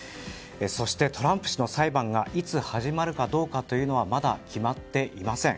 そして、トランプ氏の裁判がいつ始まるかどうかはまだ決まっていません。